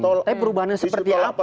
tapi perubahan seperti apa ya